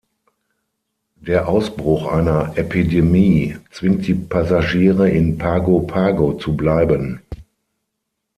Der Ausbruch einer Epidemie zwingt die Passagiere in Pago-Pago zu bleiben.